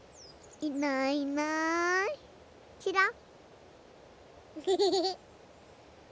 いないいないちらっ。